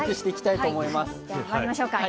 ではまいりましょうか。